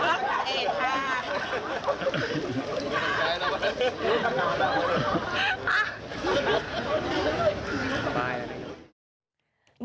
รักสาเอททาง